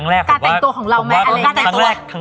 พี่อายกับพี่อ๋อมไม่ได้ครับ